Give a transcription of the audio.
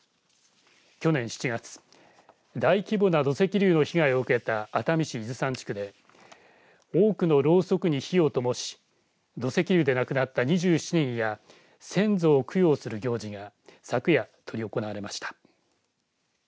去年７月、大規模な土石流の被害を受けた熱海市伊豆山地区で多くのろうそくに火をともし土石流で亡くなった２７人や先祖を供養する行事が昨夜、とり行われました。